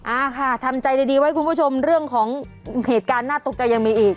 อ่าค่ะทำใจดีไว้คุณผู้ชมเรื่องของเหตุการณ์น่าตกใจยังมีอีก